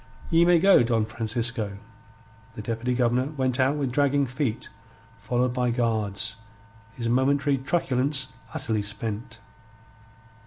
Ye may go, Don Francisco." The Deputy Governor went out with dragging feet, followed by guards, his momentary truculence utterly spent.